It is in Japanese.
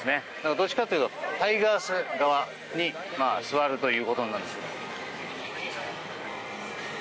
どっちかというとタイガース側に座るということになります。